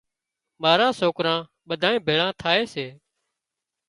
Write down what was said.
ماران سوڪران ٻڌانئين ڀيۯان ٿائي سي۔